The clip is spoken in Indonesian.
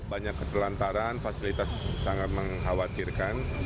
banyak ketelantaran fasilitas sangat mengkhawatirkan